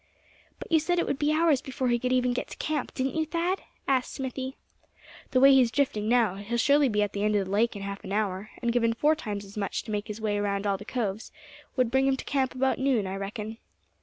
"But you said it would be hours before he could even get to camp, didn't you, Thad?" asked Smithy. "The way he's drifting now, he'll surely be at the end of the lake in half an hour; and given four times as much to make his way round all the coves, would bring him to camp about noon, I reckon.